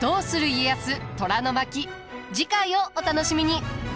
次回をお楽しみに。